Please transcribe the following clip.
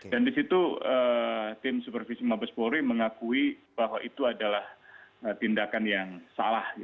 dan di situ tim supervisi mabes polri mengakui bahwa itu adalah tindakan yang salah